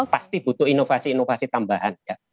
pasti butuh inovasi inovasi tambahan